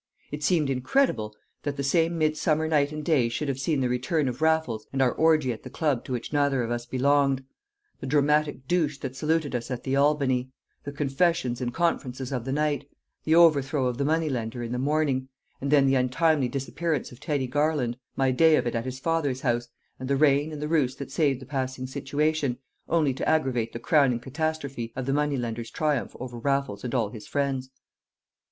It seemed incredible that the same midsummer night and day should have seen the return of Raffles and our orgy at the club to which neither of us belonged; the dramatic douche that saluted us at the Albany; the confessions and conferences of the night, the overthrow of the money lender in the morning; and then the untimely disappearance of Teddy Garland, my day of it at his father's house, and the rain and the ruse that saved the passing situation, only to aggravate the crowning catastrophe of the money lender's triumph over Raffles and all his friends.